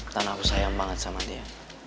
dan aku sayang banget sama dia